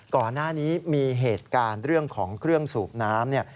ก่อนหน้านี้มีเหตุการณ์เรื่องของเครื่องสูบน้ำเนี่ย